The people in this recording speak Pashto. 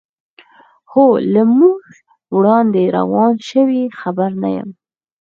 هو، له موږ وړاندې روان شوي، خبر نه یم.